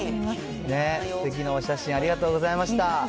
すてきなお写真、ありがとうございました。